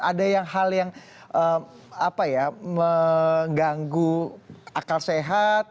ada yang hal yang mengganggu akal sehat